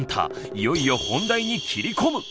いよいよ本題に切り込む。